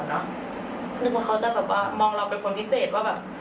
นึกว่าเขาจะแบบว่ามองเราเป็นคนพิเศษว่าแบบ